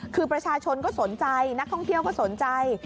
คือประชาชนก็สนใจนักท่องเที่ยวก็สนใจ